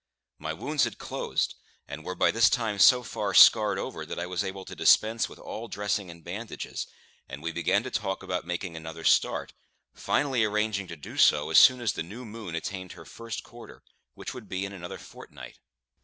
My wounds had closed, and were by this time so far scarred over that I was able to dispense with all dressing and bandages, and we began to talk about making another start, finally arranging to do so as soon as the new moon attained her first quarter, which would be in another fortnight.